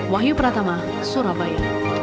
wahyu pratama surabaya